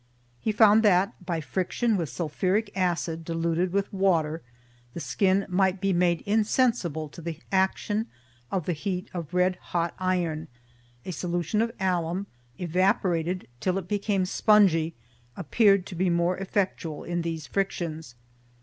He found that by friction with sulphuric acid deluted with water, the skin might be made insensible to the action of the heat of red hot iron; a solution of alum, evaporated till it became spongy, appeared to be more effectual in these frictions.